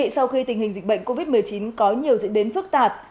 sau khi tình hình dịch bệnh covid một mươi chín có nhiều diễn biến phức tạp